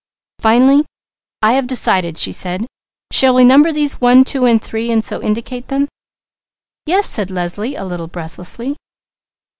Finally: "I have decided," she said. "Shall we number these one, two, and three, and so indicate them?" "Yes," said Leslie a little breathlessly.